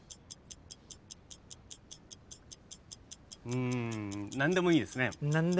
うん何でもいいですね。